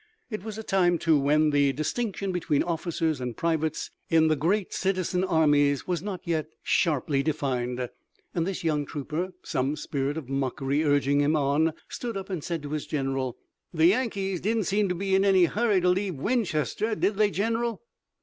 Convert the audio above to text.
It was a time, too, when the distinction between officers and privates in the great citizen armies was not yet sharply defined. And this young trooper, some spirit of mockery urging him on, stood up and said to his general: "The Yankees didn't seem to be in any hurry to leave Winchester, did they, general?"